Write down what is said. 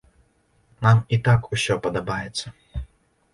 Нам і так усё падабаецца.